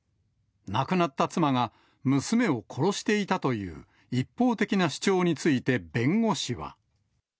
亡くなった妻が、娘を殺していたという一方的な主張について、弁護士は。